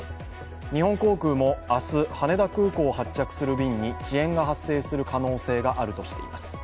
日本航空も明日、羽田空港を発着する便に遅延が発生する可能性があるとしています。